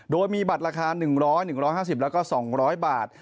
โดยมีบัตรราคาหนึ่งร้อยหนึ่งร้อยห้าสิบแล้วก็สองร้อยบาท